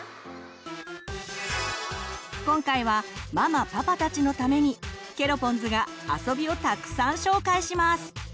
今回はママパパたちのためにケロポンズが遊びをたくさん紹介します！